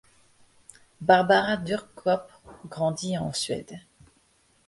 Bárbara Dührkop grandit en Suède.